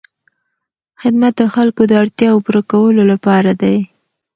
خدمت د خلکو د اړتیاوو پوره کولو لپاره دی.